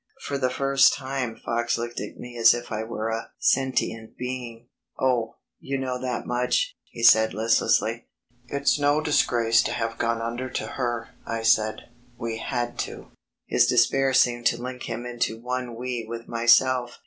For the first time Fox looked at me as if I were a sentient being. "Oh, you know that much," he said listlessly. "It's no disgrace to have gone under to her," I said; "we had to." His despair seemed to link him into one "we" with myself.